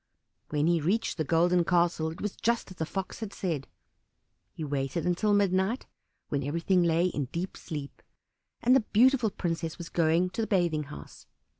When he reached the Golden Castle it was just as the Fox had said. He waited until midnight, when everything lay in deep sleep, and the beautiful princess was going to the bathing house.